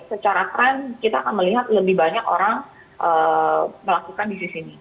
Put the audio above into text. secara trend kita akan melihat lebih banyak orang melakukan bisnis ini